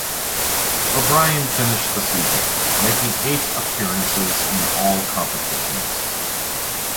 O'Brien finished the season, making eight appearance in all competitions.